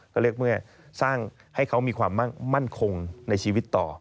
ก็เรียกเมื่อสร้างให้เขามีความมั่นคงในชีวิตต่อ